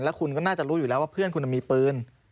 แล้วคุณก็น่าจะรู้อยู่แล้วว่าเพื่อนคุณมีปืน